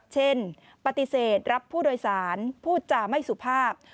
เช่นปฏิเสธรับผู้โดยศาลผู้จ่าไม่สุภาพ